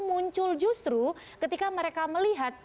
muncul justru ketika mereka melihat